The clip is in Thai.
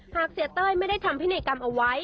หากเสียเต้ยไม่ได้ทำพินัยกรรมเอาไว้